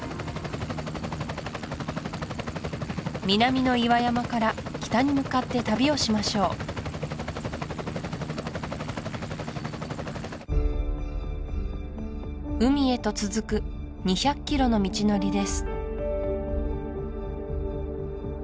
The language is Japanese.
南の岩山から北に向かって旅をしましょう海へと続く２００ｋｍの道のりです